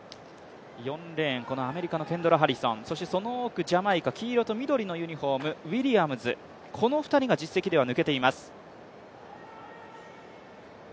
４レーン、アメリカのケンドラ・ハリソン、そしてその奥、ジャマイカ、黄色と緑のユニフォーム、ウィリアムズ、この２人が実績では抜けています。